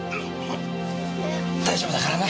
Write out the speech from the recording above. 大丈夫だからな！